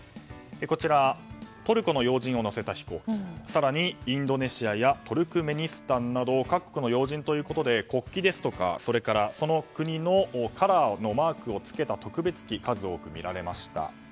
トルコの要人を乗せた飛行機や更にはインドネシアやトルクメニスタンなど各国の要人ということで国旗ですとかそれから、その国のカラーのマークを付けた特別機数多く見られました。